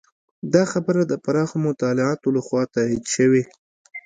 دا خبره د پراخو مطالعاتو لخوا تایید شوې.